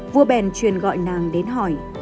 vua bèn truyền gọi nàng đến hỏi